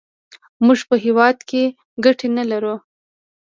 موږ په هېواد کې ګټې نه لرو.